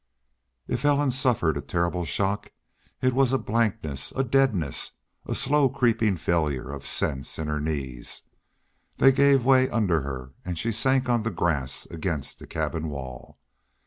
If Ellen suffered a terrible shock it was a blankness, a deadness, and a slow, creeping failure of sense in her knees. They gave way under her and she sank on the grass against the cabin wall.